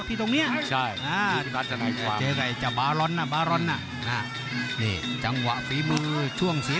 ที่ตรงนี้